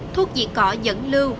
thuốc diện cỏ dẫn lưu